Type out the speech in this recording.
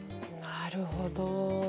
なるほど。